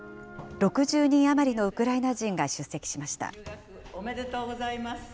６０人余りのウクライナ人が出席しました。